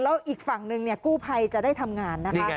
แล้วอีกฝั่งหนึ่งกู้ภัยจะได้ทำงานนะคะ